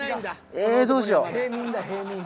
えどうしよう。